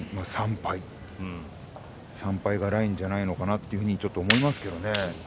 ２敗、３敗３敗がラインじゃないのかなとちょっと思いますけどね。